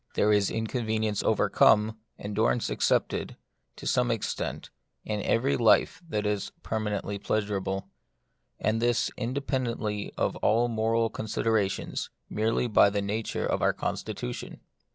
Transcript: There is inconvenience overcome, endurance accepted, to some extent, in every life that is permanently pleasurable ; and this, independ ently of all moral considerations, merely by the nature of our constitution.